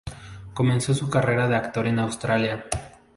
Comenzó su carrera de actor en Australia.